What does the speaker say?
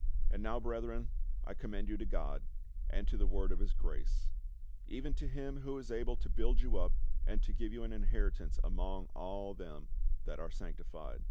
" And now brethren, I commend you to God, and to the word of his grace ; even to him who is able to build you up and to give you an inheritance among all them that are sanctified.